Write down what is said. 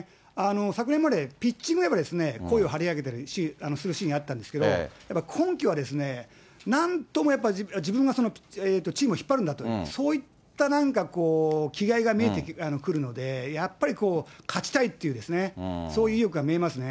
昨年までピッチングでは、声を張り上げたりするシーンあったんですけど、やっぱ今季は、なんともやっぱり、自分がチームを引っ張るんだと、そういったなんかこう、気概が見えてくるので、やっぱりこう、勝ちたいっていうですね、そういう意欲が見えますね。